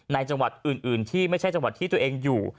ในจังหวัดอื่นที่ไม่ใช่จังหวัดที่ตัวเองอยู่